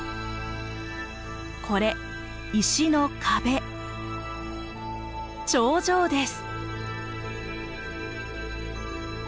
これ石の壁長城です！